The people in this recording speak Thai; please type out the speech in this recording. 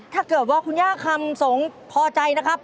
ถ้าเกิดว่าคุณย่าคำสงพอใจนะครับ